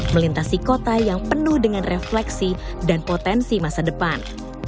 melintasi kota yang penuh dengan refleksi dan potensi masa depan